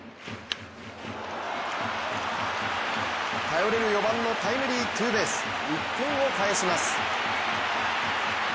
頼れる４番のタイムリーツーベース１点を返します。